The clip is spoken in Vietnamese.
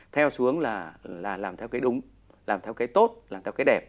theo xuống là làm theo cái đúng làm theo cái tốt làm theo cái đẹp